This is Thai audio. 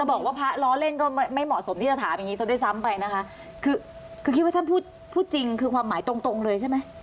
บอกว่าพระล้อเล่นก็ไม่เหมาะสมที่จะถามอย่างงี้ซะด้วยซ้ำไปนะคะคือคือคิดว่าท่านพูดพูดจริงคือความหมายตรงตรงเลยใช่ไหม